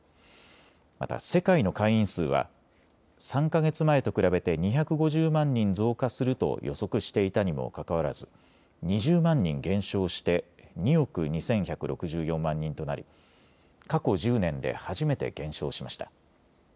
また世界の会員数は３か月前と比べて２５０万人増加すると予測していたにもかかわらず２０万人減少して２億２１６４万人となり過去１０年で初めて減少しました。